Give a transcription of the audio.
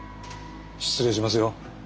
失礼しますよ。